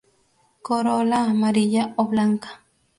Corola amarilla o blanca.